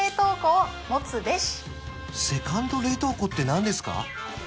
セカンド冷凍庫って何ですか？